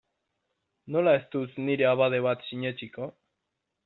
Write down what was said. Nola ez dut nire abade bat sinetsiko?